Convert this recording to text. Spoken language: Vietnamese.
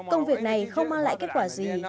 công việc này không mang lại kết quả gì